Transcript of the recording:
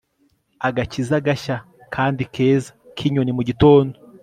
Agakiza gashya kandi keza kinyoni mugitondo